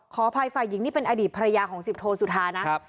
ขออภัยฝ่ายหญิงนี่เป็นอดีตภรรยาของสิบโทสุธานะ